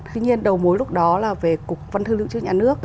tuy nhiên đầu mối lúc đó là về cục văn hóa tư liệu chứ nhà nước